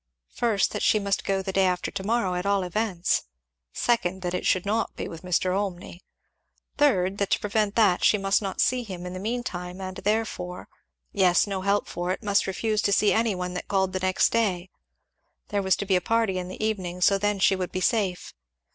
First, that she must go the day after to morrow, at all events. Second, that it should not be with Mr. Olmney. Third, that to prevent that, she must not see him in the mean time, and therefore yes, no help for it, must refuse to see any one that called the next day; there was to be a party in the evening, so then she would be safe.